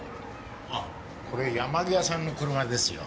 ああこれ山際さんの車ですよ。